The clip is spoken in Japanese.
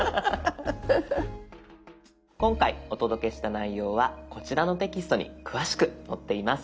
今回お届けした内容はこちらのテキストに詳しく載っています。